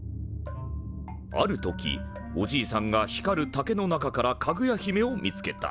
ある時おじいさんが光る竹の中からかぐや姫を見つけた。